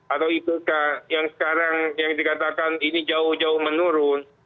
atau ipk yang sekarang yang dikatakan ini jauh jauh menurun